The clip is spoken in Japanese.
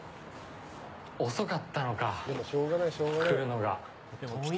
遅かったのか、来るのが。